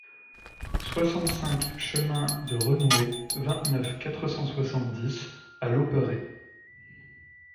soixante-cinq chemin de Reunouet, vingt-neuf, quatre cent soixante-dix à Loperhet